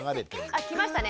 あ来ましたね。